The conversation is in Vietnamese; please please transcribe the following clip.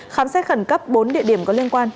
khám xét khẩn cấp bốn địa điểm có liên quan